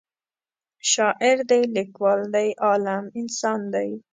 شاعر دی لیکوال دی عالم انسان دی